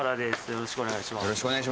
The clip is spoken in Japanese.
よろしくお願いします。